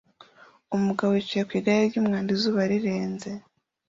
Umugabo yicaye ku igare ryumwanda izuba rirenze